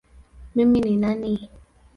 Mimi ni nani?